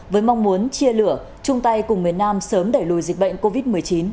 với mong muốn chia lửa chung tay cùng miền nam sớm đẩy lùi dịch bệnh covid một mươi chín